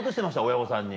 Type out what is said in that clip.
親御さんに。